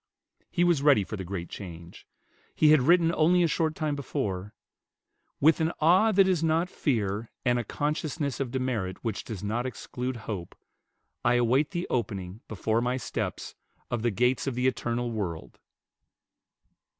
He was ready for the great change. He had written only a short time before, "With an awe that is not fear, and a consciousness of demerit which does not exclude hope, I await the opening, before my steps, of the gates of the eternal world."